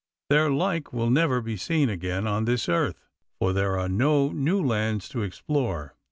Their like will never be seen again on this earth, for there are no new lands to explore.